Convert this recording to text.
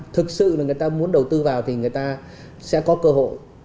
thực sự là người ta muốn đầu tư vào thì người ta sẽ có cơ hội